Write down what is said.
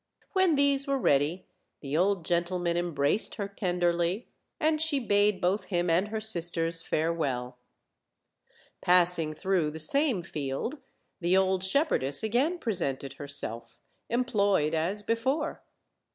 When these were ready the old gentleman embraced her tenderly, and she bade both him and her sisters farewell. Passing through the same field, the old shepherdess again presented herself, employed as before.